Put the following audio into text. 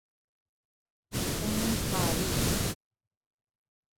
امہاری